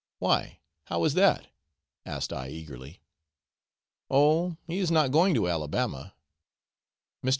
'Why, how is that?' asked I eagerly. 'Oh, he is not going to Alabama. Mr.